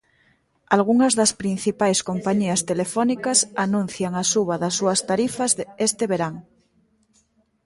Algunhas das principais compañías telefónicas anuncian a suba das súas tarifas este verán.